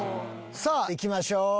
さぁいきましょう。